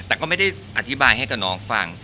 แต่ก็ไม่ได้อธิบายให้กับน้องฟัง